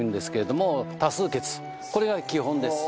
これが基本です。